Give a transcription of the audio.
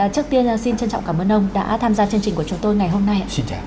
trước tiên xin trân trọng cảm ơn ông đã tham gia chương trình của chúng tôi ngày hôm nay